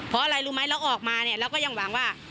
เพราะอะไรรู้ไหมเราออกมาเนี่ยเราก็ยังหวังว่า